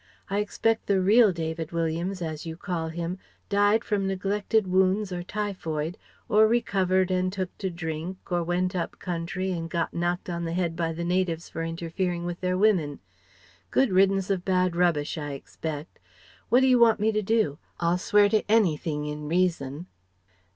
I expect the 'real' David Williams, as you call him, died from neglected wounds or typhoid or recovered and took to drink, or went up country and got knocked on the head by the natives for interfering with their women Good riddance of bad rubbish, I expect. What do you want me to do? I'll swear to anything in reason."